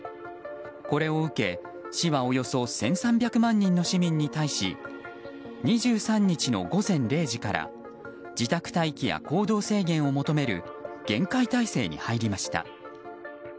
これを受け、市はおよそ１３００万人の市民に対し２３日の午前０時から自宅待機や行動制限を求める厳戒態勢に入りました。